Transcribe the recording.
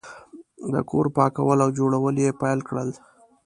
د کور پاکول او جوړول یې پیل کړل.